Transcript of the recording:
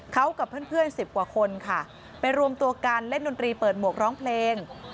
เขากับเพื่อน๑๐กว่าคนค่ะไปรวมตัวกันเล่นดนตรีเปิดหมวกร้องเพลง